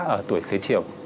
ở tuổi xế chiều